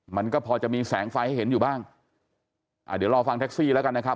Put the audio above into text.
มันก็พอจะมีแสงไฟให้เห็นอยู่บ้างอ่าเดี๋ยวรอฟังแท็กซี่แล้วกันนะครับ